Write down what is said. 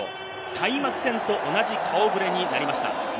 開幕戦と同じ顔触れになりました。